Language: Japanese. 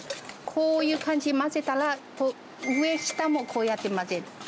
こういう感じで混ぜたら、上下もこうやって混ぜる。